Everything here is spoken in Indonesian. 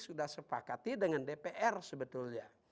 sudah sepakati dengan dpr sebetulnya